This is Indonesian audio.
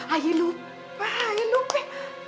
ayah lupa ayah lupa